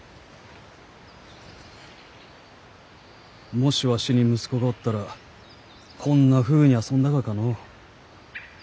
もしわしに息子がおったらこんなふうに遊んだがかのう？